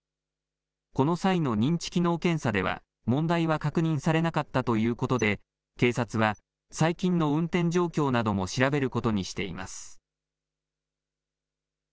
この際の認知機能検査では、問題は確認されなかったということで、警察は最近の運転状況なども調べることにしています。